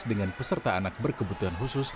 dengan peserta anak berkebutuhan khusus